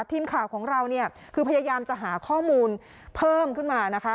ทีมข่าวของเราเนี่ยคือพยายามจะหาข้อมูลเพิ่มขึ้นมานะคะ